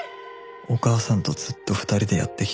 お母さんとずっと２人でやってきたんだ